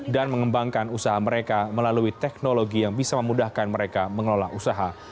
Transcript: dan mengembangkan usaha mereka melalui teknologi yang bisa memudahkan mereka mengelola usaha